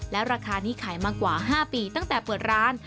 ราคานี้ขายมากว่า๕ปีตั้งแต่เปิดร้าน